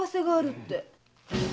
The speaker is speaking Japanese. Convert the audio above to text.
って。